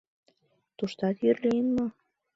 — Туштат йӱр лийын мо?